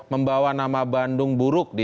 membawa nama bandung buruk di